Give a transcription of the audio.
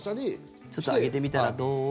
ちょっと上げてみたらどう？みたいな。